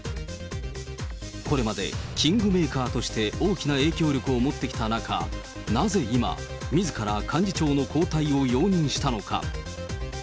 これまでキングメーカーとして大きな影響力を持ってきた中、なぜ今、みずから幹事長の交代を容認したのか。